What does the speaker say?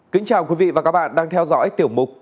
kính chào quý vị và các bạn đang theo dõi tiểu mục